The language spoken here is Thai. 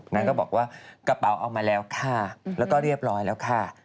นางก็บอกว่ากระเป๋าเอามาแล้วค่ะแล้วก็เรียบร้อยแล้วค่ะ